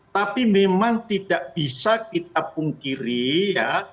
tapi memang tidak bisa kita pungkiri ya